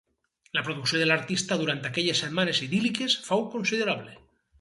La producció de l'artista durant aquelles setmanes idíl·liques fou considerable.